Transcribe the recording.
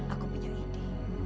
aku punya ide